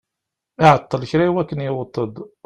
Iɛeṭṭel kra i wakken yewweḍ-d.